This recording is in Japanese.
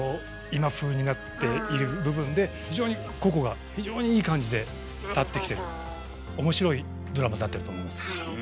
今風になっている部分で非常に個々が非常にいい感じで立ってきてる面白いドラマになってると思います。